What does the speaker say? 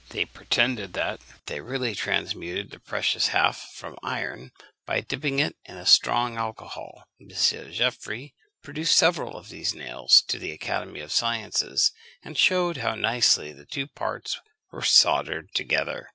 They pretended that they really transmuted the precious half from iron, by dipping it in a strong alcohol. M. Geoffroy produced several of these nails to the Academy of Sciences, and shewed how nicely the two parts were soldered together.